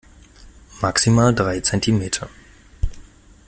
Maximal drei Zentimeter.